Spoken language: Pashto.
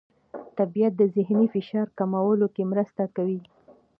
طبیعت د ذهني فشار کمولو کې مرسته کوي.